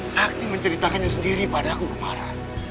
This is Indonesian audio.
sakti menceritakannya sendiri pada aku kemarin